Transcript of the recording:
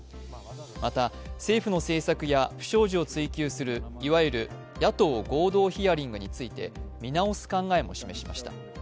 また政府の政策や不祥事を追及するいわゆる野党合同ヒアリングについて見直す考えも示しました。